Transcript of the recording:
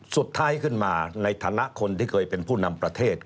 สุดท้ายขึ้นมาในฐานะคนที่เคยเป็นผู้นำประเทศ